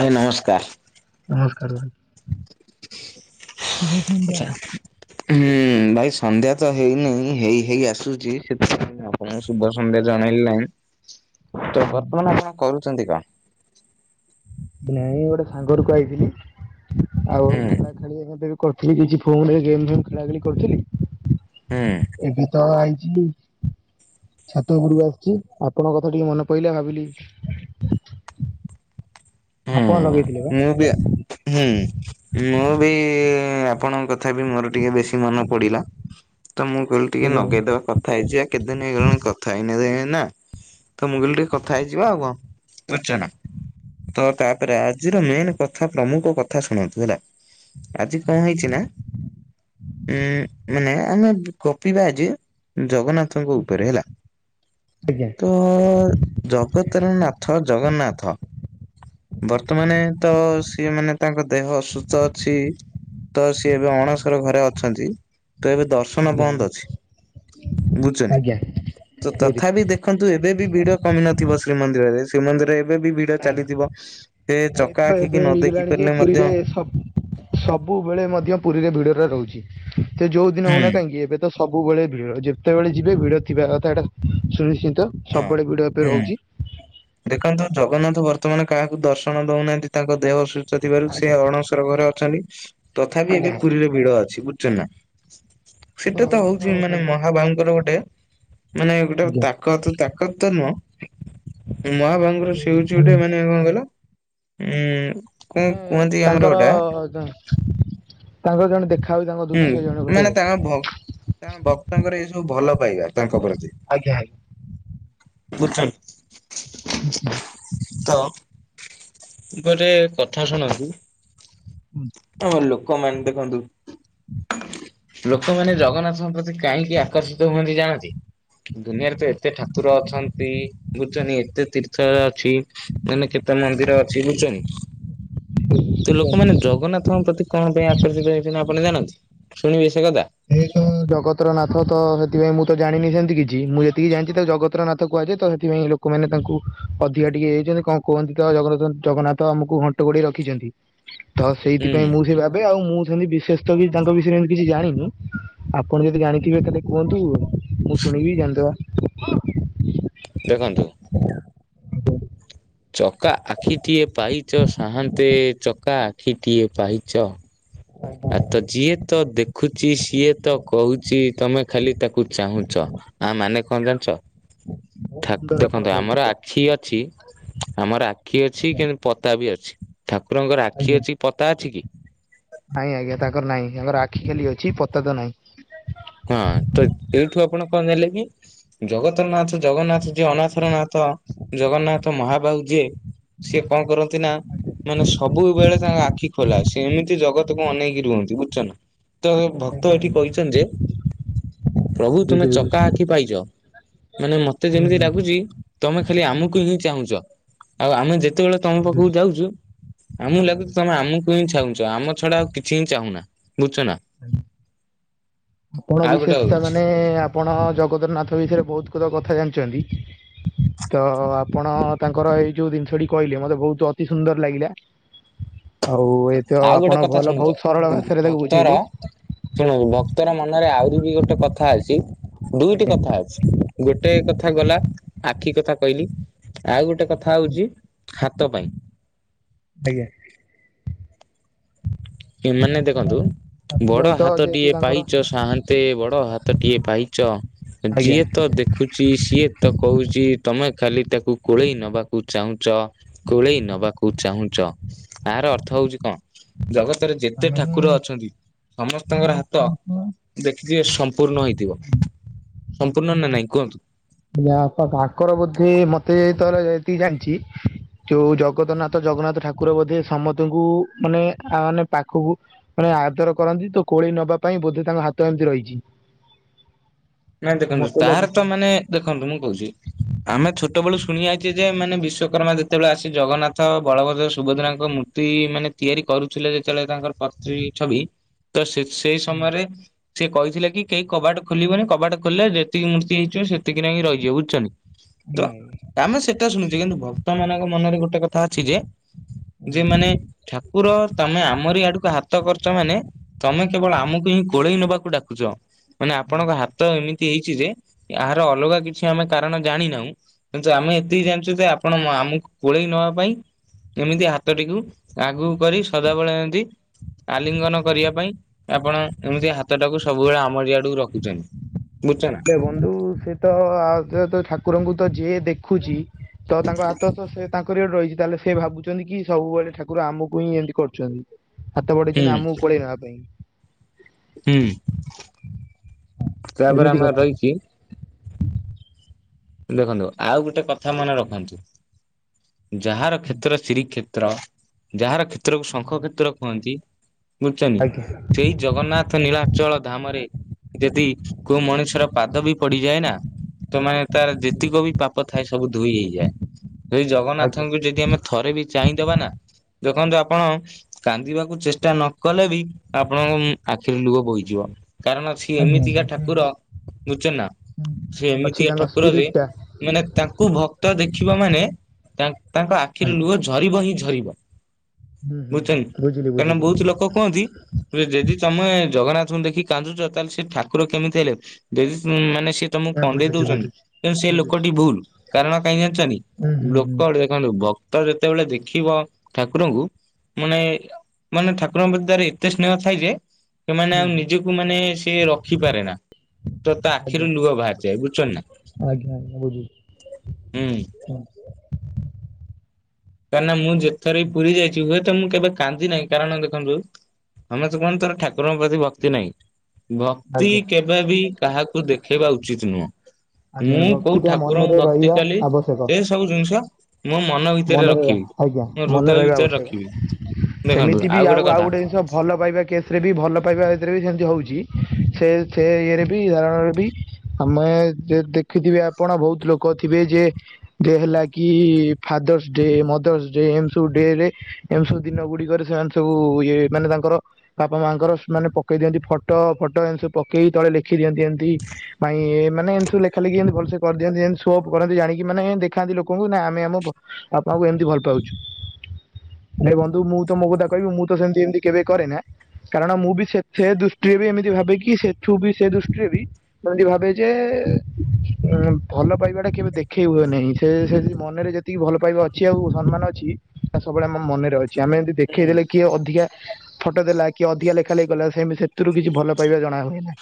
ଭାଇ ନମସ୍କାର। ନମସ୍କାର ଭାଇ। ଶୁଭ ସନ୍ଧ୍ୟା। ଆଚ୍ଛା। ହୁଁ ଭାଇ ସନ୍ଧ୍ୟା ତ ହେଇନେଇ ହେଇ ହେଇ ଆସୁଚି ସେଥିପାଇଁ ଏଇନା ଆପଣଙ୍କୁ ଶୁଭ ସନ୍ଧ୍ୟା ଜଣେଲି ନାହିଁ ତ ବର୍ତ୍ତମାନ ଆପଣ କରୁଚନ୍ତି କଣ? ନାଇଁ ଗୋଟେ ସାଙ୍ଗରୁକୁ ଆଇଥିଲି ଆଉ [inaudible] ହୁଁ ଖେଳି ହେନ୍ତିରେ ବି କରଥିଲି ଇଜି ଫୋନ୍ ରେ ଗେମ୍ ଫେମ୍ ଖେଳା ଖେଳି କରଥିଲି। ହୁଁ। ଏବେ ତ ଆଇଚି ଛାତ ଓପୁରୁକୁ ଆସିଚି ଆପଣଙ୍କ କଥା ଟିକେ ମନେ ପଇଲା ଭାବିଲି ହୁଁ ଆପଣ ଲଗେଇଥିଲେ ବା ମୁଁ ବି ଆ ହୁଁ ମୁଁ ବି ଉଁ ଆଜ୍ଞା ଆପଣଙ୍କ କଥା ବି ମୋର ଟିକେ ବେଶୀ ମନ ପଡ଼ିଲା ତ ମୁଁ କହିଲି ଟିକେ ଆଜ୍ଞା ଆଜ୍ଞା ନଗେଇଦବା କ ଥାଇଯିବା କେତେ ଦିନ ହେଇଗଲାଣି କଥା ହେଇନେ ଦେ ନା। ତ ମୁଁ କହିଲି ଟିକେ କଥା ହେଇଯିବା ଆଉ କଁ ବୁଝୁଚ ନାଁ? ତ ତାପରେ ଆ ଜିର ମେନ୍ କଥା ପ୍ରମୁକ କଥା ଶୁଣନ୍ତୁ ହେଲା ଆଜି କଁ ହେଇଚି ନାଁ ଉଁ ମାନେ ଆମେ ଗପିବା ଆଜି ଜଗନ୍ନା ଥଙ୍କ ଉପରେ ହେଲା ତ ଆଜ୍ଞା ଜଗ [unintelligible] ବଦ୍ରିନାଥ, ଜଗନ୍ନାଥ ତା ମାନେ ତ ସିଏ ମାନେ ତାଙ୍କର ଦେହ ଅସୁସ୍ଥ ଅଛି। ତ ସିଏ ଏବେ ଅଣସର ଘରେ ଅଛନ୍ତି ତ ଏବେ ଦର୍ଶ ନ ବନ୍ଦ ଅଛି ବୁଝୁଚନ୍ତି ଆଜ୍ଞା ତ ଆଜ୍ଞା ତଥାପି ବୁଝିଲି। ଦେ ଖନ୍ତୁ ଏବେ ବି ଭିଡ କମି ନଥିବ ଶ୍ରୀମନ୍ଦିରରେ। ଶ୍ରୀମନ୍ଦିରରେ ଏବେ ବି ଭିଡ ଚାଲିଥିବ। ଏ ଚକା ଆଖିକି ନ ଦେଖି ପାରିଲେ ମଧ୍ୟ ସବୁ-ସବୁବେଳେ ମଧ୍ୟ ପୁରିରେ ଭିଡରେ ରହୁଚି। ସେ ଯୋଉ ଦିନ ହୋଉନା କାହିଁକି ଏବେ ତ ସବୁବେଳେ ଭିଡ ଯେତେବେଳେ ଯିବେ ଭିଡ ଥିବା କଥା ଏଟା ଶୁନିଶ୍ଚିତ। ହଁ। ସବୁବେଳେ ଭିଡ ଏବେ ହୁଁ ରହୁଚି। ଦେଖନ୍ତୁ ଜଗନ୍ନାଥ ବର୍ତ୍ତମାନ କାହାକୁ ଦର୍ଶନ ଦୋଉନାହାନ୍ତି ତାଙ୍କ ଦେହ ଅ ସୁସ୍ଥ ଥିବାରୁ ସେ ଆଜ୍ଞା ଅଣସର ଘରେ ଅଛନ୍ତି ତଥାପି ଆଜ୍ଞା ଏବେ ପୁରିରେ ଭିଡ ଅଛି ବୁଝୁଚନ୍ତି ନା। ଏବେ ସେଟା ତ ରହୁଛି ହୋଉଚି ମାନେ ସବୁବେଳେ ମହାବାହୁଙ୍କର ଗୋଟେ ମାନେ ଗୋଟେ ଆଜ୍ଞା ତା କତ ତାକତ ତ ନୁହଁ। ମହାବାହୁଙ୍କର ସିଏ ହୋଉଚି ଗୋଟେ ମାନେ କଣ କହିଲ ଉଁ କଣ ହୁଁ କୁହନ୍ତି ଆମର ତାଙ୍କର ଗୋଟା ଯ ତାଙ୍କର ଜଣେ ଦେଖା ହୁଏ ତାଙ୍କ ହୁଁ ଦୃଶ୍ୟ ଜଣେ ମାନେ ପଟେ ତାଙ୍କ ଭ ତାଙ୍କ ଭକ୍ତଙ୍କର ଏ ସବୁ ଭଲ ପାଇବା ତାଙ୍କ ପ୍ରତି। ଆଜ୍ଞା ଆଜ୍ଞା ବୁଝୁଛ [unintelligible] ଆଚ୍ଛା। [inaudible] ତ ଗୋରେ [unintelligible] କଥା ଶୁଣନ୍ତୁ। ତ ଲୋକମାନେ ଦେଖନ୍ତୁ ଲୋକମାନେ ଜଗନ୍ନାଥଙ୍କ ପ୍ରତି କାହିଁକି ଆକର୍ଷିତ ହୁଅନ୍ତି ଜାଣନ୍ତି? ଦୁନିଆରେ ତ ଏତେ ଠାକୁର ଅଛନ୍ତି ବୁଝୁଚନି ଏତେ ତୀର୍ଥ ଅଛି ମାନେ କେତେ ମନ୍ଦିର ଅଛି ବୁଝୁଚନି ତ କୁହନ୍ତୁ। ଲୋକମାନେ ଜଗନ୍ନାଥଙ୍କ ପ୍ରତି କଣ ପାଇଁ ଆକର୍ଷିତ ହେଉଚନ୍ତି ଆପଣ ଜାଣନ୍ତି? ଶୁଣିବେ ସେ କଥା। ଏଇ ତ ଜଗତର ନାଥ ତ ସେଥିପାଇଁ ମୁଁ ତ ଜାଣିନି ସେମିତି କିଛି ମୁଁ ଯେତିକି ଜାଣିଚି ତ ଜଗ ତର ନାଥ କୁହାଯାଏ ତ ସେଥିପାଇଁ ଲୋକମାନେ ତାଙ୍କୁ ଅଧିକା ଟିକେ ହେଇଚନ୍ତି କଣ କୁହନ୍ତି ତ ଜଗର -ଜଗନ୍ନାଥ ଆମକୁ ଘ ଣ୍ଟ ଗୋଡେଇ ରଖିଚନ୍ତି। ତ ହୁଁ ସେଇଥିପାଇଁ ମୁଁ ସେ ଭାବେ‌ ଆଉ ମୁଁ ସେମିତି ବିଶେଷତ କି ତାଙ୍କ ବିଷୟରେ ଏମତି କିଛି ଜାଣିନି ଆପଣ ଯଦି ଜାଣିଥିବେ ତାହେଲେ କୁହନ୍ତୁ ମୁଁ ଶୁଣିକି ଜାଣିଦବା। ଦେଖନ୍ତୁ [inaudible] ଚକା ଆଖିଟିଏ ପାଇଚ ସାହାନ୍ତେ ଚକା ଆଖିଟିଏ ପାଇଚ। ବହୁତ ଆ ତ ଯିଏ ତ ଦେ ଖୁଚି ସିଏ ତ କୋହୁଚି। ତମେ ଖାଲି ତାକୁ ଚାହୁଁଚ। ଆ ମାନେ କଣ ଜାଣିଚ? ଠାକୁ ସୁନ୍ଦର ଆପଣ ଦେଖନ୍ତୁ କହିଲେ ଆମର ଏଇଟା ଆଖି ଅଛି। ଆମର ଆଖି ଅଛି ଆଜ୍ଞା କିନ୍ତୁ ପତା ବି ଅଛି। ଠାକୁରଙ୍କର ଆଖି ଆଜ୍ଞା ଅଛି ପତା ଅଛି କି? ନାଇଁ ଆଜ୍ଞା ତାଙ୍କର ନାଇଁ ତାଙ୍କର ଆଖି ଖାଲି ଅଛି ପତା ତ ନାଇଁ। ହଁ ତ ଏଇଠୁ ଆପଣ କଣ ଜାଣିଲେ କି? ଜଗତର ନାଥ ଜଗନ୍ନାଥ ଯିଏ ଅନାଥର ନାଥ ଜଗନ୍ନାଥ ମହାବାହୁ ଯିଏ ସିଏ କଣ କରନ୍ତି ନା ଆଜ୍ଞା ମାନେ ସବୁବେଳେ ତାଙ୍କ ଆଖି ଖୋଲା। ସେ ଏମିତି ଜଗତକୁ ଅନେଇକି ରୁହନ୍ତି ବୁଝୁଚ ନା? ତ ଭକ୍ତ ଆଜ୍ଞା ଏଠି କହିଚନ୍ତି ଯେ ପ୍ରଭୁ ତୁମେ ବୁଝୁଛି ଚକା ବୁଝୁଛି ଆଖି ପାଇଚ ମାନେ ମତେ ଆଜ୍ଞା ଯେମିତି ବୁଝୁଛି ଲାଗୁଚି। ତମେ ଖାଲି ଆମକୁ ହିଁ ଚାହୁଁଚ ଆଉ ଆମେ ଯେତେବେଳେ ତମ ପାଖକୁ ବୁଝୁଛି ଯାଉଚୁ, ଆମକୁ ଆଜ୍ଞା ଲାଗୁଚି ବୁଝୁଛି ତମେ ଆମକୁ ହିଁ ଚାହୁଁଚ। ଆମେ ତ ଛଡା ଆଉ କିଛି ହିଁ ଚାହୁଁନା। ବୁଝୁଛ ନା? ଆଜ୍ଞା ଆପଣ ଆଉ ଗୋଟେ ବିଶେଷତା ହଉଛି ମାନେ ଆପଣ ଜଗତର ନାଥ ବିଷୟରେ ବହୁତ କ କଥା ଜାଣିଛନ୍ତି? ତ ଆପଣ ତାଙ୍କର ଏଇ ଯୋଉ ଜିନିଷଟି କହିଲେ ମତେ ବହୁତ ଅତି ସୁନ୍ଦର ଲାଗିଲା। ଆଉ ଏ ତ ଆଉ ଆପଣ ଗୋଟେ କଥା ଭଲ ଶୁଣୁଛ ବହୁତ ସରଳ ଭାଷାରେ ତାକୁ ଭକ୍ତର ବୁଝେଇଲେ ଶୁଣୁ ଭକ୍ତର ମନରେ ଆହୁରି ବି ଗୋଟେ କଥା ଅଛି, ଦୁଇଟି ଆଜ୍ଞା କଥା ଅଛି। ଗୋଟେ କଥା ଗଲା ଆଖି କଥା କହିଲି। ଆଉ ଗୋଟେ କଥା ହଉଛି ହାତ ପାଇଁ। ଆଜ୍ଞା। ଆଉ ଏମାନେ ଆଙ୍କ ଦେଖନ୍ତୁ ପାଇଁ ତାଙ୍କ ପାଇଁ ବଡ ତ ଯେହେତୁ ହାତଟିଏ ତାଙ୍କର ପାଇଚ ସାହାନ୍ତେ ବଡ ହାତଟିଏ ପାଇଚ। ଆଜ୍ଞା ଯିଏ ତ ଦେଖ ଖୁଚି ସିଏ ତ କହୁଚି ତମେ ଖାଲି ତାକୁ କୋଳେଇ ନବାକୁ ଚାହୁଁଚ? କୋଳେଇ ନବାକୁ ଚାହୁଁଚ। ଆର ଅର୍ଥ ହଉଚି କଣ? ଜଗତ ଯେତେ ମାନେ ଠାକୁର ଅଛନ୍ତି ସମସ୍ତଙ୍କର ହାତ ଦେଖିଥିବେ ସମ୍ପୂର୍ଣ୍ଣ ହେଇଥିବ ସମ୍ପୂର୍ଣ୍ଣ ନା ନାଇଁ କୁହନ୍ତୁ? ତାଙ୍କର ବୋଧେ ମତେ ଥରେ ଏତିକି ଜାଣିଚି ଯୋଉ ଜଗତର ନାଥ ଜଗନ୍ନାଥ ଠାକୁର ବୋଧେ ସମସ୍ତଙ୍କୁ ମାନେ ଆ ମାନେ ପାଖକୁ ମାନେ ଆଦର କରନ୍ତି। ତ କୋଳେଇ ନବା ପାଇଁ ବୋଧେ ତାଙ୍କ ହାତ ଏମିତି ରହିଚି। ନାଇଁ ଦେଖନ୍ତୁ ତାର ଲାଗୁଛି ତ ମାନେ ଦେଖନ୍ତୁ ମୁଁ କହୁଚି? ଆମେ ଛୋଟବେଳୁ ଶୁଣି ଯାଇଛେ ଯେ ମାନେ ବିଶ୍ଵକର୍ମା ଯେତେବେଳେ ଆସି ଜଗନ୍ନାଥ ବଳଭଦ୍ର ସୁଭଦ୍ରାଙ୍କ ମୂର୍ତ୍ତି ମାନେ ତିଆରି କରୁଥିଲେ ଯେତେବେଳେ ତାଙ୍କର ପ୍ରତି ଆଜ୍ଞା ଛବି ତ ସେ ସେଇ ସମୟରେ ସିଏ କହିଥିଲେ କି କେହି କବାଟ ଖୋଲିବନି କବାଟ ଖୋଲିଲେ ଯେତିକି ମୂର୍ତ୍ତି ହେଇଯିବ ସେତିକିରେ ହିଁ ରହିଯିବ ବୁଝୁଛନ୍ତିି ତ ମାନେ ସେ ଶୁଣୁଛି କିନ୍ତୁ ଭକ୍ତ ମାନଙ୍କ ମନରେ ଗୋଟେ କଥା ଅଛି ଯେ ଯେ ଆଜ୍ଞା ଆଜ୍ଞା ମାନେ ଠାକୁର ତମେ ଆମରି ଆଡକୁ ହାତ କରିଚ ମାନେ ତମେ କେବଳ ଆମକୁ ହିଁ କୋଳେଇ ନବାକୁ ଡାକୁଛ ମାନେ ଆପଣଙ୍କ ହା ତ ଏମିତି ହେଇଛି ଯେ ଏହାର ଅଲଗା କିଛି ଆମେ କାରଣ ଜାଣିନାହୁଁ କିନ୍ତୁ ଆମେ ଏତିକି ଜାଣିଛୁ ଯେ ଆପଣ ଆମକୁ କୋଳେଇ ନବା ପାଇଁ ଏମିତି ହାତଟିକୁ ଆଗକୁ କରି ସଦାବେଳେ ଏମତି ଆଲିଙ୍ଗନ କରିବା ପାଇଁ ଆପଣ ଏମିତି ହାତଟାକୁ ସବୁବେଳେ ଆମରିଆଡକୁ ରଖୁଛନ୍ତି। ବୁଝୁଛ ନା? ହେ ବନ୍ଧୁ ସେଏ ତ ଆ ତ ଠାକୁରଙ୍କୁ ତ ଯିଏ ଦେଖୁଛି ତ ତାଙ୍କ ଆତ ସେ ତାଙ୍କ ରହିଛି ତାହେଲେ ସେ ଭାବୁଛନ୍ତି କି ସବୁବେଳେ ଠାକୁର ଆମକୁ ହିଁ ଏମିତି କରୁଛନ୍ତି ହାତ ହୁଁ ବଢେଇଛନ୍ତି ଆମକୁ କୋଳେଇ ନବା ପାଇଁ ହୁଁ ତାପରେ ଏମିତି ଆମର କଥା ରହିଛି ଦେଖନ୍ତୁ ଆଉ ଗୋଟେ କଥା ମନେ ରଖନ୍ତୁ। ଯାହାର କ୍ଷେତ୍ର ଶ୍ରୀରି କ୍ଷେତ୍ର ଯାହାର କ୍ଷେତ୍ରକୁ ଶଙ୍ଖ କ୍ଷେତ୍ର କୁହନ୍ତି ବୁଝୁଛନ୍ତି ଆଜ୍ଞା ସେଇ ଜଗନ୍ନାଥ ନୀଳାଚଳ ଧାମରେ ଯଦି କୋଉ ମଣିଷର ପାଦ ବି ପଡିଯାଏ ନା ତ ମାନେ ତାର ଯେତକ ବି ପାପ ଥାଏ ସବୁ ଧୋଇ ହେଇଯାଏ ସେ ଆଜ୍ଞା ଜଗନ୍ନାଥଙ୍କୁ ଯଦି ଆମେ ଥରେ ବି ଚାହିଁଦବାନା ଦେଖନ୍ତୁ ଆପଣ କାନ୍ଦିବାକୁ ଚେଷ୍ଟା ନ କଲେ ବି ଆପଣଙ୍କ ଆଖିରୁ ଲୁହ ବୋହିଯିବ। କାରଣ ସିଏ ଆଜ୍ଞା ଏମିତିକା ଆଜ୍ଞା। ଠାକୁର ବୁଝୁଛନା ସେ ଅଛି ଏମିତିକା ତାଙ୍କ ଠାକୁର ସ୍ପିରିଟ ଯେ ଟା ମାନେ ତାଙ୍କୁ ଭକ୍ତ ଦେଖିବ ମାନେ ତାଙ୍କ ତାଙ୍କ ଆଖିରେ ଆଜ୍ଞା ଲୁହ ଝରିବ ହିଁ ଝରିବ ହୁଁ ହୁଁ ହୁଁ ବୁଝୁଛନି ବୁଝିଲି କାରଣ ବୁଝିଲି। ବହୁତ ଲୋକ କୁହନ୍ତି। ଜେଜି ତମେ ଜଗନ୍ନାଥଙ୍କୁ ଦେଖି କାନ୍ଦୁଚ଼ ତାହେଲେ ସେ ଠାକୁର କେମିତି ହେଲେ ଯଦି ମାନେ ସେ ତମକୁ ନା କନ୍ଦେଇ ବୁଝୁଛି ଦଉଚ଼ନ୍ତି। ବୁଝୁଛି ତେଣୁ ସେ ବୁଝୁଛି ଲୋକଟି ଭୁଲ କାରଣ କାହିଁ ଜାଣିଛନ୍ତି ହୁଁ ହୁଁ ହୁଁ ଲୋକ ଦେ ଦେଖନ୍ତୁ ଭକ୍ତ ଯେତେବେଳେ ଦେଖିବ ଠାକୁରଙ୍କୁ ମାନେ ମାନେ ଠାକୁରଙ୍କ ଭିତରେ ତାର ଏତେ ସ୍ନେହ ଥା ଯେ ସେମାନେେ ହୁଁ ଆଉ ହୁଁ ନିଜକୁ ମାନେ ସେ ରଖିପାରେନା। ତ ତା ଆଖିରୁ ଆଜ୍ଞା ଲୁହ ବାହାରିଯାଏ ବୁଝୁଛ ନା ହୁଁ। ହୁଁ। କାହିଁକନା ମୁଁ ଯେତେଥର ବି ପୁରୀ ଯାଇଛି ହୁଏତ ମୁଁ କେବେ କାନ୍ଦି ନାହିଁ କାରଣ ଦେଖନ୍ତୁ ସମସ୍ତେ କୁହନ୍ତି ତୋର ଠାକୁରଙ୍କ ପ୍ରତି ଭକ୍ତି ନାହିଁ। ଭକ୍ତି ଆଜ୍ଞା କେ ବି କାହାକୁ ଦେଖେଇବା ଉଚିତ ନୁହେଁ। ମୁଁ ଆଜ୍ଞା କୋଉ ଭକ୍ତିଟା ଠାକୁରଙ୍କୁ ମନରେ ଭକ୍ତି ରହିବା କଲି ଆବଶ୍ୟକ ସେ ସବୁ ଜିନିଷ ମୋ ମନ ଭିତରେ ରଖ ମନରେ ଆଜ୍ଞା ମନେ ରହିବା ଆବଶ୍ୟକ। ସେମିତି ବି ଆଉ ଆଉ ଗୋଟେ ଜିନିଷ ଭଲ ପାଇବା କେସ ରେ ବି ଭଲ ପାଇବା ଏଥିରେ ବି ସେମିତି ହଉଛି ସେ ସେ ଇଏରେ ବି ଧରଣର ବି ଆମେ ଯେ ଦେଖିଥିବେ ଆପଣ ବହୁତ ଲୋକ ଥିବେ ଯେ ଯେ ହେଲା କି ଫାଦର୍ସ ଡେ ମଦର୍ସ ଡେ ଏମତି ସବୁ ଡେ ରେ ଏମି ସବୁ ଦିନ ଗୁଡିକରେ ସେମାନେ ସବୁ ଇଏ ମାନେ ତାଙ୍କର ବାପା ମାଆଙ୍କର ସେ ମାନେ ପକେଇ ଦିଅନ୍ତି ଫଟୋ ଫଟୋ ଏତି ସବୁ ପକେଇକି ତଳେ ଲେଖି ଦିଅନ୍ତି ଏନ୍ତି ପାଇଁ ମାନେ ଏମତି ସବୁ ଲେଖାଲେଖି ଏମିତି ଭଲସେ କରିଦିଅନ୍ତି ଯେ ସୋ ଅଫ୍ କରନ୍ତି ଜାଣିକି ମାନେ ଦେଖାନ୍ତି ଲୋକଙ୍କୁ ନା ଆମେ ଆମ ବାପାଙ୍କୁ ଏମିତି ଭଲ ପାଇଛୁ। ହେଲେ ବନ୍ଧୁ ମୁଁ ତ ମୋ କଥା କହିବି ମୁଁ ତ ସେମିତି ଏମତି କେବେ କରେ ନା। କାରଣ ମୁଁ ବି ସେ ସେ ଦୃଷ୍ଟିରେ ବି ଏମିତି ଭାବେକି ସେଠୁ ବି ସେ ଦୃଷ୍ଟିରେ ବି ସେମିତି ଭାବିବ ଯେ ଉଁ ଭଲ ପାଇବା ଟା କେବେ ଦେଖେଇ ହୁଏ ନାହିଁ। ସେ ସେ ମନରେ ଯେ ଯେତିକି ଭଲ ପାଇବା ଅଛି ଆଉ ସମ୍ମାନ ଅଛି ତା ସବୁବେଳେ ଆମ ମନରେ ଅଛି। ଆମେ ଏମିତି ହୁଁ ଦେଖେଇ ଦେଲେ କିଏ ଅଧିକା ଫଟୋ ଦେଲା କିଏ ଅଧିକା ଲେଖା ଲେଖି କଲା ସେମିତି ସେଥିରୁ କିଛି ଭଲ ପାଇବା ଜଣା ହୁଏ ନାହିଁ।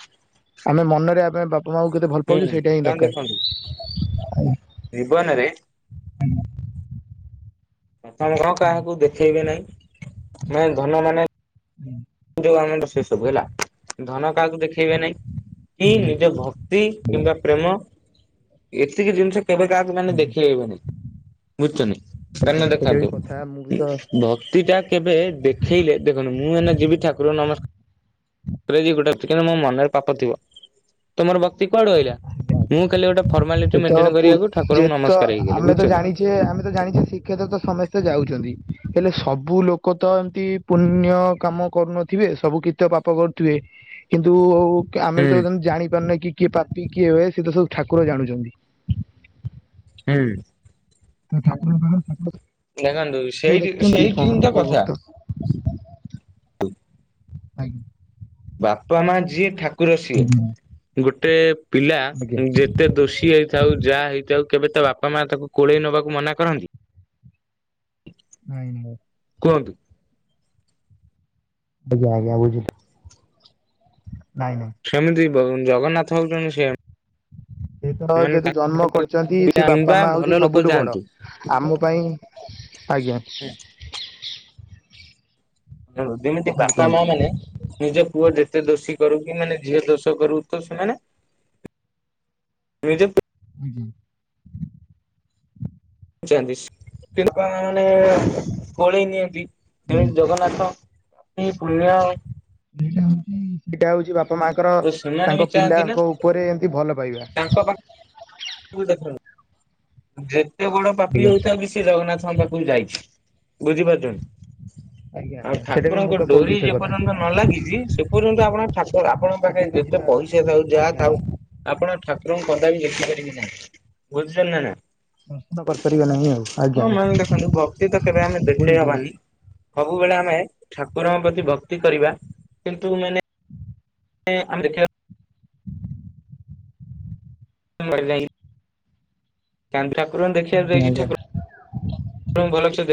ଆମେ ମନରେ ଆମେ ବାପା ମାଆଙ୍କୁ କେତେ ଭଲ ହୁଁ ପାଉଛୁ ସେଇଟା ହିଁ କଣ ଦେଖନ୍ତୁ ଦରକାର। ଜୀବନରେ ଧନ୍ୟ ଧନ କାହାକୁ ଦେଖେଇବେ ନାଇଁ ମାନେ ଧନ ମାନେ ହୁଁ। ଯୋଉ ଆମର ସେଇ ସବୁ ହେଲା ଧନ କାହାକୁ ଦେଖେଇବେ ନାଇଁ କି ଆଜ୍ଞା ନିଜ ଭକ୍ କ୍ତି କିମ୍ବା ପ୍ରେମ ଏତିକି ଜିନିଷ କେବେ କାହାକୁ ମାନେ ଦେଖେଇବେନି ବୁଝୁଛନ୍ତି କାହିଁକି ନା ଆଜ୍ଞା ସେଇଟା ବି ଦେଖନ୍ତୁ କଥା ମୁଁ ବି ତ ଭକ୍ତିଟା କେବେ ଦେଖେଇଲେ ଦେଖନ୍ତୁ ମୁଁ ଏଇନେ ଯିବି ଠାକୁରଙ୍କୁ ନମସ୍କାର [inaudible] ଗୋଟେ ଅଛି କିନ୍ତୁ ମୋ ମନରେ ପାପ ଥିବ। ତ ମୋର ଭକ୍ତି କୁଆଡୁ ଆଇଲା ମୁଁ ଖାଲି ଗୋଟେ ଏ ଫର୍ମାଲିଟି ତ ମେଣ୍ଟେନ କରିବାକୁ ଠାକୁରଙ୍କୁ ନମସ୍କାର ହେଇଗଲି ବୁଝୁଛ ନା ଯେ ଆମେ ତ ଜାଣିଛେ ଶ୍ରୀକ୍ଷେତ୍ର ତ ସମସ୍ତେ ଯାଉଛନ୍ତି ହେଲେ ସବୁ ଲୋକ ତ ଏମିତି ପୁଣ୍ୟ କାମ କରୁନଥିବେ ସବୁ କିଛି ତ ପାପ କରୁଥିବେ କିନ୍ତୁ କିଏ ଆମେ ବି ହୁଁ ତ ଏତେ ପର୍ୟ୍ୟନ୍ତ ଜାଣିପାରୁନେ କିଏ ପାପୀ କିଏ ହୁଏ ସିଏତ ସବୁ ଠାକୁର ଜାଣୁଛନ୍ତି। ହୁଁ। ଠାକୁରଙ୍କ ପାଖରେ ତାଙ୍କର ଦେଖନ୍ତୁ ସେଇଠି ସେଇଠି ହିଁ ତ କୋଉ କଥା। ଭକ୍ତ [unintelligible] ଆଜ୍ଞା। ବାପା ମା ଯିଏ ଠାକୁର ସିଏ। ଆଜ୍ଞା ଗୋଟେ ପିଲା ଆଜ୍ଞା ଯେତେ ଦୋଷୀ ହେଇ ଥାଉ ଯାହା ହେଇଥାଉ କେବେ ତା ବାପା ମା ତାକୁ କୋଳେଇ ନବାକୁ ମନା କରନ୍ତି? [unintelligible] କୁହନ୍ତୁ। ଆଜ୍ଞା ଆଜ୍ଞା ବୁଝିଲି, ନାଇଁ ନାଇଁ। ସେମିତି ଜଗନ୍ନାଥ ହଉଛନ୍ତି ସେମ୍। ସେ ତ ଯେହେତୁ ଜନ୍ମ କରିଛନ୍ତି ସେ ବାପା କିମ୍ବା ମା ଭଲ ହଉଛି ଲୋକ ସବୁଠୁ ବଡ଼। ଯାଆନ୍ତୁ ଆମ ପାଇଁ ଆଜ୍ଞା। ଯେ-ଯେମିତି କୁହନ୍ତୁ ବାପା କୁହନ୍ତୁ। ମା ମାନେ ନିଜ ପୁଅ ଯେତେ ଦୋଷୀ କରୁ କି ମାନେ ଝିଅ ଦୋଷ କରୁ ତ ସେମାନେ ନିଜ ହୁଁ ହୁଁ। ଯାଆନ୍ତି। କିନ୍ତୁ [unintelligible] କୋଳେଇ ନିଅନ୍ତି। ଏମତି ଜଗନ୍ନାଥ [unintelligible] ସେଇଟା ହଉଛି ବାପା ମାଙ୍କର ସେମାନେ ବି ତାଙ୍କ ଚାହାନ୍ତି ନା ପିଲାଙ୍କ ଉପରେ ଏମତି ଭଲ ପାଇବା। ତାଙ୍କ ପାଖ ଭୁଲ୍ ଦେଖନ୍ତି ନି। ଯେତେ ବଡ଼ ପାପୀ ଆଜ୍ଞା ହେଇଥାଉ ବି ସେ ଜଗନ୍ନାଥଙ୍କ ପାଖକୁ ଯାଇଛି। ବୁଝି ପାରୁଛନ୍ତି? ଆଜ୍ଞା ଆଉ ଆଜ୍ଞା ସେଇଟା ବି ମୁଁ ଠାକୁରଙ୍କ ତ କହୁଛି ଡୋରି ସେ ଯେ କଥା ପର୍ଯ୍ୟନ୍ତ ନ ଲାଗିଛି, ସେ ପର୍ଯ୍ୟନ୍ତ ଆପଣ ଠାକୁର ଆପଣ ପାଖରେ ସେଠିକି ବି ଯେତେ ଯିବା କଥା। ପଇସା ଥାଉ ଯାହା ଆଜ୍ଞା ଆଜ୍ଞା ଥାଉ ଆପଣ ଠାକୁରଙ୍କୁ କଦାପି ଦେଖିପାରିବେ ନାହିଁ। ବୁଝିଛନ୍ତି ନା? ଦର୍ଶନ କରିପାରିବେ ନାହିଁ ଆଉ ଆଜ୍ଞା ହଁ ଆଜ୍ଞା ମାନେ ଦେଖନ୍ତୁ ଭକ୍ତି ତ କେବେ ଆମେ ଦେଖେଇ ବୁଝୁଛି ହବାନି। ବୁଝୁଛି ସବୁବେଳେ ଆମେ ଠାକୁରଙ୍କ ପ୍ରତି ଭକ୍ତି କରିବା। କିନ୍ତୁ ମାନେ ଆମ ଦେଖିବା [unintelligible] [unintelligible] ଠାକୁରଙ୍କୁ ଦେଖିବାକୁ ଆଜ୍ଞା ଆଜ୍ଞା ଯାଇଛୁ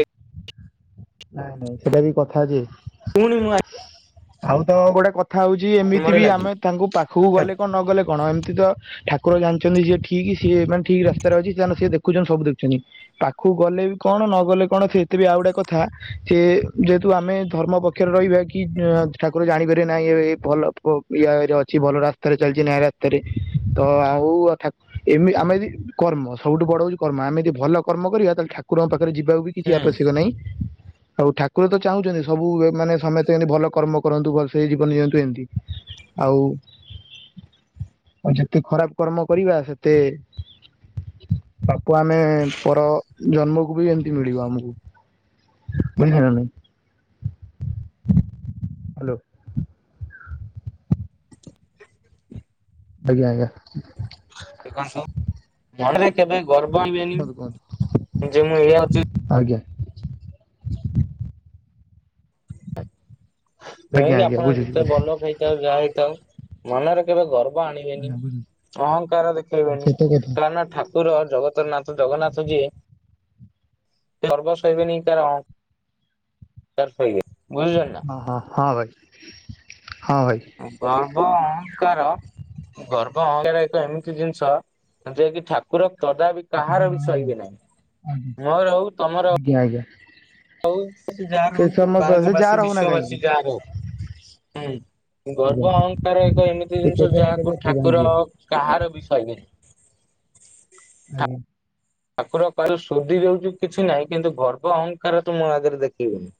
[unintelligible] ନାଇଁ ନାଇଁ ସେଇଟା ବି କଥା ଯେ। ପୁଣି ମୁଁ ଆଜି ଆଉ ତ ଗୋଟେ କଥା ହଉଛି ଏମିତି କର୍ମରେ ବି ଆମେ ଲାଗିବି। ତାଙ୍କୁ ପାଖକୁ ଗଲେ କଣ ନ ଗଲେ କଣ ଏମିତି ତ ଠାକୁର ଜାଣିଛନ୍ତି ଯିଏ ଠିକ ସିଏ ମାନେ ଠିକ ରାସ୍ତାରେ ଅଛି ତା ସିଏ ଦେଖୁଛନ୍ତି ସବୁ ଦେଖୁଛନ୍ତି। ପାଖକୁ ଗଲେ ବି କଣ ନଗଲେ କଣ ସେ ଏତେ ବି ଆଉ ଗୁଟେ କ ଥା ସେ ଯେହେତୁ ଆମେ ଧର୍ମ ପକ୍ଷରେ ରହିବା କି ଠାକୁର ଜାଣିପାରିବେ ନାହିଁ ଏ ଭଲ ଇୟା ରେ ଅଛି ଭଲ ରାସ୍ତାରେ ଚାଲିଛି, ନ୍ୟାୟ ରାସ୍ତାରେ। ତ ଆଉ ଏମିତି ଆମେ ଯଦି କର୍ମ ସବୁ ବଡ଼ ହଉଛି କର୍ମ। ଆମେ ଯଦି ଭଲ କର୍ମ କରିବା, ତାହେଲେ ଠାକୁରଙ୍କ ପାଖରେ ଯିବାକୁ ବି କିଛି ଆବଶ୍ୟକ ନାହିଁ। ଆଉ ଠାକୁର ତ ଚାହୁଁଛନ୍ତି ସବୁ ମାନେ ସମେସ୍ତେ ଏମତି ଭଲ କର୍ମ କରନ୍ତୁ ଭଲସେ ଜୀବନ ଜୀଅନ୍ତୁ ଏମିତି। ଆଉ ଆଉ ଯେତେ ଖରାପ କର୍ମ କରିବା ସେତେ ତାକୁ ଆମେ ପର ଜନ୍ମକୁ ବି ଏମିତି ମିଳିବ ଆମକୁ। ବୁଝିଲେ ନା? ହ୍ୟାଲୋ ଆଜ୍ଞା ଆଜ୍ଞା। ଦେଖନ୍ତୁ ମନରେ କେବେ ଗର୍ବ ଆଣିବେନି, କୁହନ୍ତୁ କୁହନ୍ତୁ ଯେ ମୁଁ ଏଇଆ ଅଛି। ଆଜ୍ଞା। ଆଜ୍ଞା ତଣକି ଆଜ୍ଞା ଆପଣ ବୁଝୁଛି ଯେତେ ବୁଝୁଛି ଭଲ ଖାଇଥାଉ ଯାହା ହେଇଥାଉ। ମନରେ କେବେ ଗର୍ବ ଆଣିବେନି ଆଜ୍ଞା ବୁଝୁଛି ଅହଂଙ୍କାର ଦେଖେଇବେନି ସେତ କଥା କାରଣ ଠାକୁର। ଠାକୁର ଜଗତରନାଥ ଜଗନ୍ନାଥ ଯିଏ। ଗର୍ବ ସହିବେନି କାର କାର ସହିବେନି ବୁଝୁଛ ନା। ହଁ ହଁ ଭାଇ ହଁ ଭାଇ। ଗର୍ବ ଅହଂଙ୍କାର। ଗର୍ଭ ଅଙ୍କାର ଏକ ଏମିତି ଜିନିଷ ଯେକିି ଠାକୁର କଦାବି। କେବେ କାହାର ବି ରହେନା ଶହିବେ ଆଜ୍ଞା ନାହିଁ ମୋର ହଉ ତମର। ଆଜ୍ଞା ଆଜ୍ଞା। ହଉ ଯାହା ସେ ରହୁଛି ସମସ୍ତ ସେ ଭାରତ ଯାହା ବାସୀ ରହୁନା କାହିଁକି ବିଶ୍ଵବାସୀ ଯାହାର ହଉ। ହୁଁ ଗର୍ଭ ଆଜ୍ଞା ଅହଙ୍କାର ଏକ ଏମିତି ସେ ଜିନିଷ କେବେ ନା ଯାହାକୁ କେବେ ଠାକୁର ଭାଙ୍ଗିବ କାହାରବି ସହିବେନି। ଆଜ୍ଞା। ଠାକୁର କହିଲ ଶୋଦୀ ଯଉଛିୁ କିଛି ନାହିଁ କିନ୍ତୁ ଗର୍ପ ଅହଙ୍କାର ତୁ ମୋ ଆଗରେ ଦେଖେଇବୁନି।